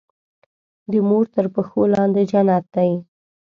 د مور تر پښو لاندې جنت دی.